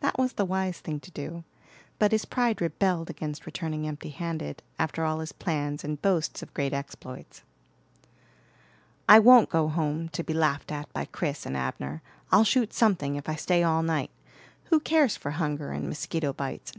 That was the wise thing to do, but his pride rebelled against returning empty handed after all his plans and boasts of great exploits. "I won't go home, to be laughed at by Chris and Abner. I'll shoot something, if I stay all night. Who cares for hunger and mosquito bites?